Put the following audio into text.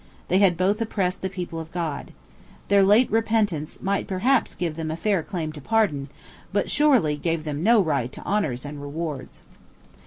They had both oppressed the people of God. Their late repentance might perhaps give them a fair claim to pardon, but surely gave them no right to honours and rewards.